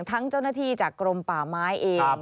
เจ้าหน้าที่จากกรมป่าไม้เอง